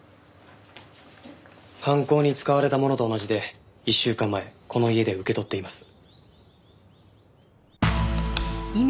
犯行に使われたものと同じで１週間前この家で受け取っています。